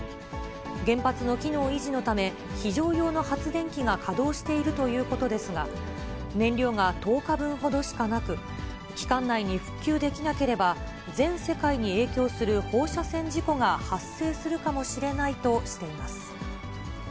原発の機能維持のため、非常用の発電機が稼働しているということですが、燃料が１０日分ほどしかなく、期間内に復旧できなければ、全世界に影響する放射線事故が発生するかもしれないとしています。